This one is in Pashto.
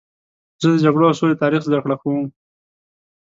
زه د جګړو او سولې تاریخ زدهکړه کوم.